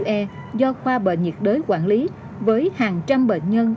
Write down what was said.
bệnh viện trợ rãi tiếp nhận và điều trị cho khoa bệnh nhiệt đới quản lý với hàng trăm bệnh nhân